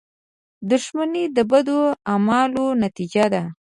• دښمني د بدو اعمالو نتیجه ده.